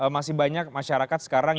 masih banyak masyarakat sekarang